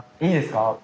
いいですか？